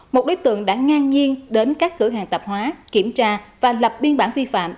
một đối tượng đã ngang nhiên đến các cửa hàng tạp hóa kiểm tra và lập biên bản vi phạm